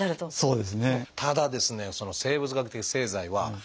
そうですね。